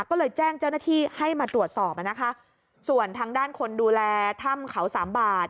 ก็เลยแจ้งเจ้าหน้าที่ให้มาตรวจสอบอ่ะนะคะส่วนทางด้านคนดูแลถ้ำเขาสามบาท